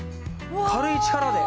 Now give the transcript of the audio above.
軽い力で。